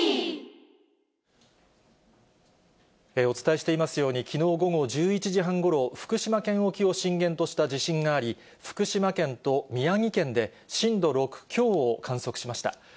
お伝えしていますように、きのう午後１１時半ごろ、福島県沖を震源とした地震があり、福島県と宮城県で震度６強を観測しました。